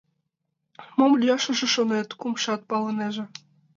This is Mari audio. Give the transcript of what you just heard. — Мом лӱяшыже шонет? — кумшат палынеже.